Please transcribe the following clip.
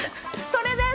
それです！